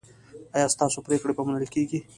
ایا ستاسو پریکړې به منل کیږي؟